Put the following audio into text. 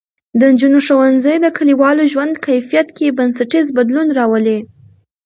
د نجونو ښوونځی د کلیوالو ژوند کیفیت کې بنسټیز بدلون راولي.